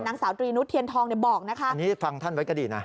นางสาวตรีนุษย์เทียนทองเนี่ยบอกนะคะ